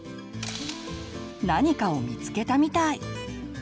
何かを見つけたみたい。